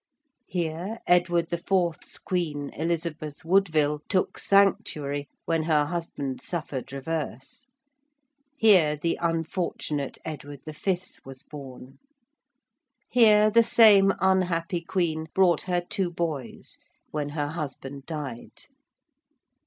Here Edward the Fourth's Queen, Elizabeth Woodville, took sanctuary when her husband suffered reverse: here the unfortunate Edward V. was born. Here the same unhappy Queen brought her two boys when her husband died.